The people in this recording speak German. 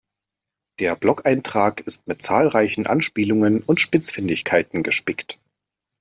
Der Blogeintrag ist mit zahlreichen Anspielungen und Spitzfindigkeiten gespickt.